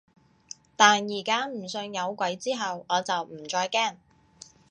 但而家唔信有鬼之後，我就唔再驚